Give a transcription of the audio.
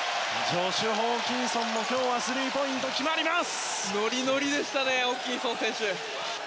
ジョシュ・ホーキンソンもスリーポイント決まります。